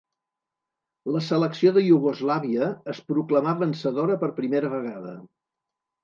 La selecció de Iugoslàvia es proclamà vencedora per primera vegada.